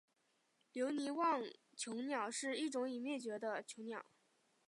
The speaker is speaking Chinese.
留尼旺椋鸟是一种已灭绝的椋鸟。